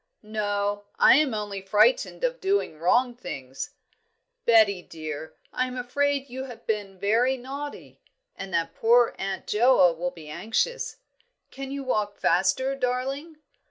"No; I am only frightened of doing wrong things, Betty dear. I am afraid you have been very naughty, and that poor Aunt Joa will be anxious. Can you walk faster, darling?"